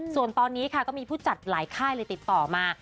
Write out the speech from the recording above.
ส่วนตอนนี้ค่ะก็มีผู้จัดหลายค่ายเลยติดต่อมา